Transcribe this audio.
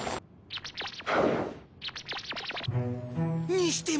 にしても